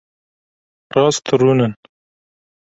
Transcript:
Rast rûnin.